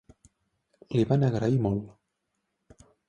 L'hi van agrair molt.